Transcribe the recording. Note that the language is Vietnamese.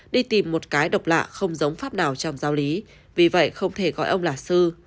đi tìm một cái độc lạ không giống pháp nào trong giáo lý vì vậy không thể gọi ông là sư